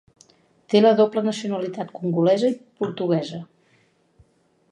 Té la doble nacionalitat congolesa i portuguesa.